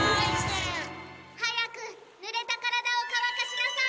はやくぬれたからだをかわかしなさい！